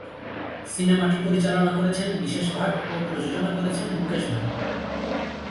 সিনেমাটি পরিচালনা করেছেন বিশেষ ভাট ও প্রযোজনা করেছেন মুকেশ ভাট।